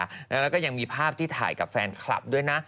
แล้วก็ยังมีภาพที่ถ่ายกับแฟนคลับด้วยนะ